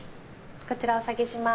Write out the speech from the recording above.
こちらお下げします。